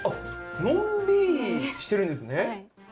のんびりしてるんですね。